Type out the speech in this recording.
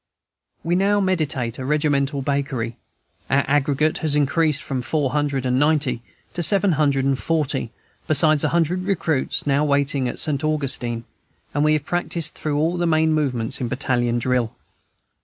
We now meditate a regimental bakery. Our aggregate has increased from four hundred and ninety to seven hundred and forty, besides a hundred recruits now waiting at St. Augustine, and we have practised through all the main movements in battalion drill.